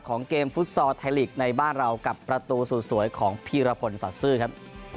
ของเกมฟุตซอร์ไทยฬีกในบ้านเรากับประตูสวยของพี่ระพลสัตว์ซื้อครับ